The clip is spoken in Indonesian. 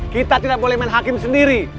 kita tidak boleh main hakim sendiri